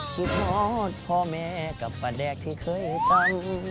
ที่ทอดพ่อแม่กับป้าแดกที่เคยจำ